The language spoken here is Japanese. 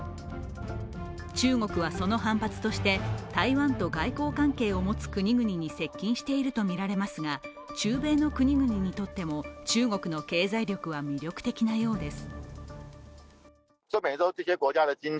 中国はその反発として台湾と外交関係を持つ国々に接近しているとみられますが中米の国々にとっても中国の経済力は魅力的なようです。